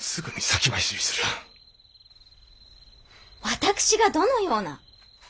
私がどのような？